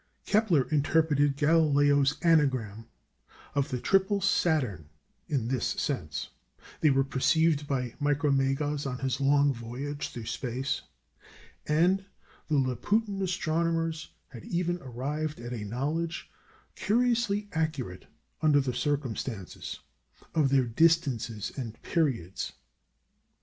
Kepler interpreted Galileo's anagram of the "triple" Saturn in this sense; they were perceived by Micromégas on his long voyage through space; and the Laputan astronomers had even arrived at a knowledge, curiously accurate under the circumstances, of their distances and periods.